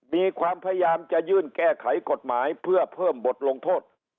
มีความพยายามจะยื่นแก้ไขกฎหมายเพื่อเพิ่มบทลงโทษ